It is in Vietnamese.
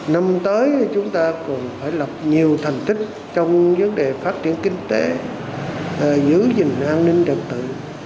năm tới chúng ta còn phải lập nhiều thành tích trong vấn đề phát triển kinh tế giữ gìn an ninh trật tự